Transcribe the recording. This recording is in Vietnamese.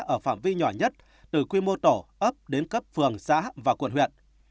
ở phạm vi nhỏ nhất từ quy mô tổ ấp đến cấp phường xã và quận huyện